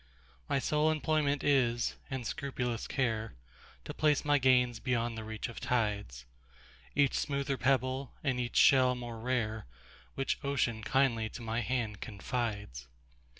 My sole employment is, and scrupulous care, To place my gains beyond the reach of tides,—Each smoother pebble, and each shell more rare, Which Ocean kindly to my hand confides.